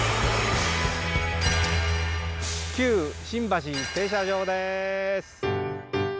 旧新橋停車場です。